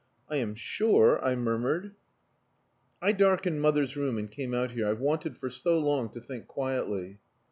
"I am sure...." I murmured. "I darkened mother's room and came out here. I've wanted for so long to think quietly."